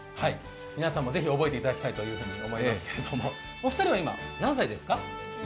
皆さんもぜひ覚えていただきたいというふうに思いますけれどもお二人は今、何歳ですか？